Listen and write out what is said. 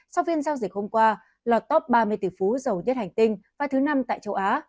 sau phiên giao dịch hôm qua lọt top ba mươi tỷ phú giàu nhất hành tinh và thứ năm tại châu á